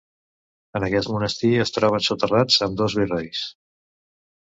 En aquest monestir es troben soterrats ambdós virreis.